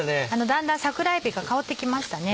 だんだん桜えびが香ってきましたね。